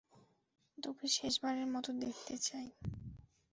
তোকে শেষবারের মতো দেখতে চাই।